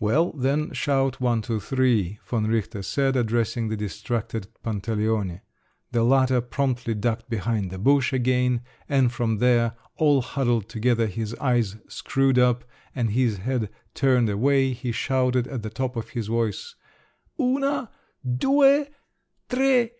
"Well, then shout one, two, three!" von Richter said, addressing the distracted Pantaleone. The latter promptly ducked behind the bush again, and from there, all huddled together, his eyes screwed up, and his head turned away, he shouted at the top of his voice: "_Una … due … tre!